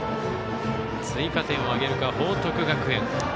追加点を挙げるか、報徳学園。